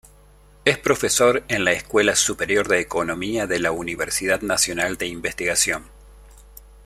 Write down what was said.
Es profesor en la Escuela Superior de Economía de la Universidad Nacional de Investigación.